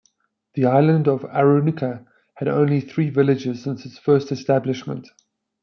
The island of Aranuka had only three villages since its first establishment.